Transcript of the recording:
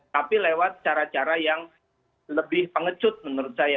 tapi lewat cara cara yang lebih pengecut menurut saya